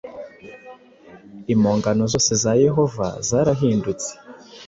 Impongano zose za Yehova zarahindutse,